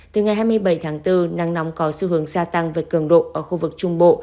từ ngày hai mươi bảy tháng bốn nắng nóng có xu hướng gia tăng về cường độ ở khu vực trung bộ